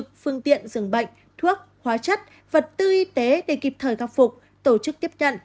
phương tiện dường bệnh thuốc hóa chất vật tư y tế để kịp thời khắc phục tổ chức tiếp nhận